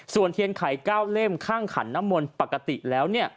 ส่วนเทียนไข่๙เล่มข้างขันน้ำมนต์ปกติแล้ว